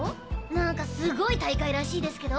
何かすごい大会らしいですけど。